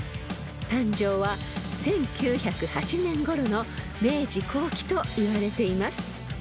［誕生は１９０８年ごろの明治後期といわれています］